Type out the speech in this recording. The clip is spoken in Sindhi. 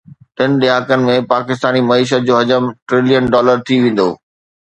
ٽن ڏهاڪن ۾ پاڪستاني معيشت جو حجم ٽريلين ڊالر ٿي ويندو